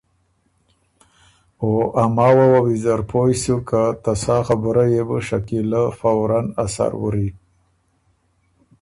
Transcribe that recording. او ا ماوه وه بُو ویزر پویۡ سُک که ته سا خبُره يې بو شکیلۀ فوراً اثر وُری۔